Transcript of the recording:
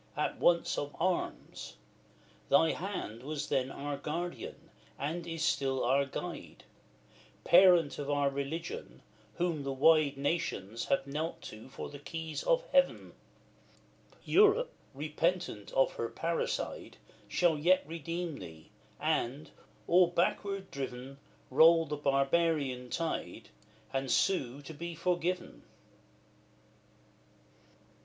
as once of Arms; thy hand Was then our Guardian, and is still our guide; Parent of our religion! whom the wide Nations have knelt to for the keys of heaven! Europe, repentant of her parricide, Shall yet redeem thee, and, all backward driven, Roll the barbarian tide, and sue to be forgiven.